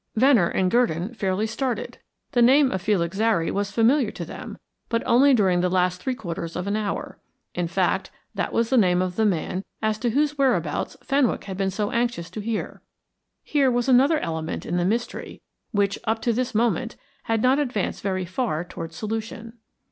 Venner and Gurdon fairly started. The name of Felix Zary was familiar to them, but only during the last three quarters of an hour. In fact, that was the name of the man as to whose whereabouts Fenwick had been so anxious to hear. Here was another element in the mystery, which, up to this moment, had not advanced very far towards solution.